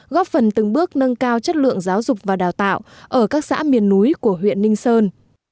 góp phần từng bước nâng cao chất lượng giáo dục và đào tạo ở các xã miền núi của huyện ninh sơn